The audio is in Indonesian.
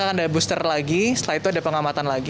akan ada booster lagi setelah itu ada pengamatan lagi